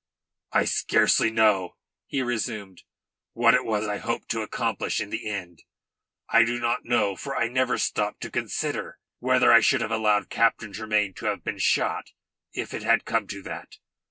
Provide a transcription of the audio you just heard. "I scarcely know," he resumed, "what it was I hoped to accomplish in the end. I do not know for I never stopped to consider whether I should have allowed Captain Tremayne to have been shot if it had come to that.